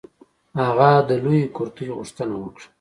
هغه د لویې کرتۍ غوښتنه وکړه.